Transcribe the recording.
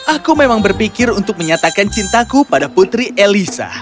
aku memang berpikir untuk menyatakan cintaku pada putri elisa